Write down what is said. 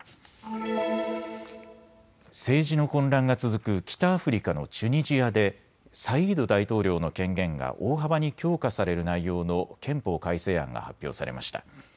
政治の混乱が続く北アフリカのチュニジアでサイード大統領の権限が大幅に強化される内容の憲法改正案が発表されました。